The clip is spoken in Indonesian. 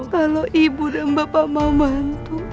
kalau ibu dan bapak mau bantu